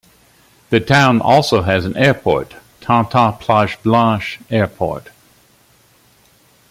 The town also has an airport, Tan Tan Plage Blanche Airport.